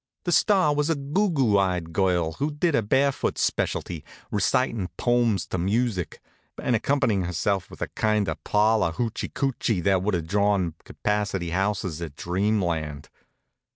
The star was a googoo eyed girl who did a barefoot specialty, recitin' pomes to music, and accompanyin' herself with a kind of parlor hoochee coochee that would have drawn capacity houses at Dreamland.